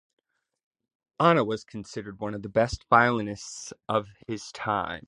Ahna was considered one of the best violinists of his time.